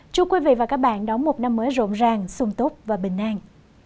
chúc quý vị và các bạn đóng một năm mới rộn ràng xung tốt và bình an